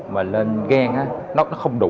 mà lên gan nó không đủ